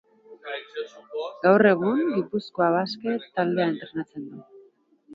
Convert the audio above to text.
Gaur egun, Gipuzkoa Basket taldea entrenatzen du.